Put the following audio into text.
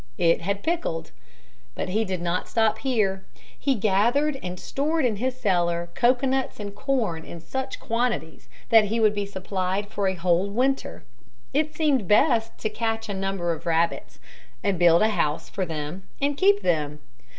It had pickled. But he did not stop here. He gathered and stored in his cellar cocoanuts and corn in such quantities that he would be supplied for a whole winter. It seemed best to catch a number of rabbits, build a house for them and keep them.